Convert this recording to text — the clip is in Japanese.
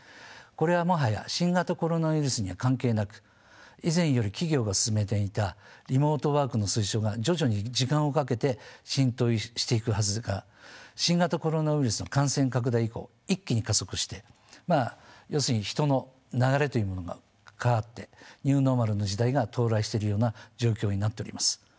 これはもはや新型コロナウイルスには関係なく以前より企業が進めていたリモートワークの推奨が徐々に時間をかけて浸透していくはずが新型コロナウイルス感染拡大以降一気に加速してまあ要するに人の流れというものが変わってニューノーマルの時代が到来してるような状況になっております。